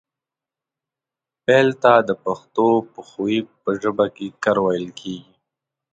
فعل ته د پښتو پښويې په ژبه کې کړ ويل کيږي